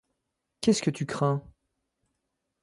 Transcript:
Qu'est-ce que tu crains?